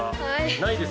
ないですよ。